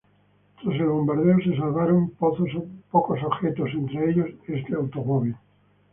Tras el bombardeo, se salvaron pocos objetos, entre ellos este automóvil.